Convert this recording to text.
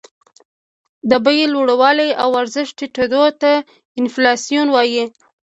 د بیې لوړوالي او ارزښت ټیټېدو ته انفلاسیون وايي